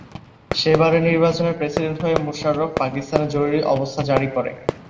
সে বারের নির্বাচনে প্রেসিডেন্ট হয়ে মোশারফ পাকিস্তানে জরুরি অবস্থা জারি করে।